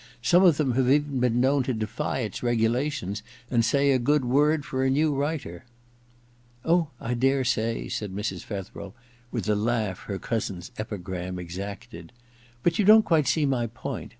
Some of them have even been known to defy its regulations and say a good word for a new writer.' 82 EXPIATION I *Oh, I dare say,* said Mrs. Fetherel, with the laugh her cousin's epigram exacted. ' But you don't quite see my point.